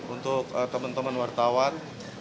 untuk teman teman wartawan